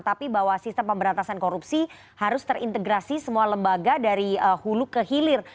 tapi bahwa sistem pemberantasan korupsi harus terintegrasi semua lembaga dari hulu ke hilir